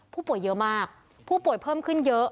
ผู้ป่วยเยอะมากผู้ป่วยเพิ่มขึ้นเยอะ